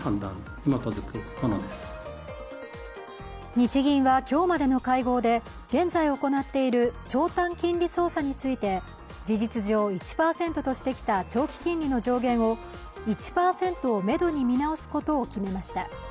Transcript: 日銀は今日までの会合で現在行っている、長短金利操作について事実上１％としてきた長期金利の上限を１％をめどに見直すことを決めました。